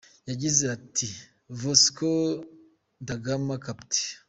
Yagize ati “Vasco da Gama, Capt.